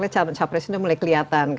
capres sudah mulai kelihatan